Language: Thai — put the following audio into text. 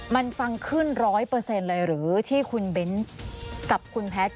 มันฟังขึ้นร้อยเปอร์เซ็นต์เลยหรือที่คุณเบนท์กับคุณแพทย์